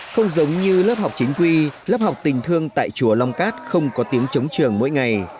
không giống như lớp học chính quy lớp học tình thương tại chùa long cát không có tiếng chống trường mỗi ngày